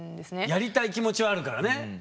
やりたい気持ちはあるからね。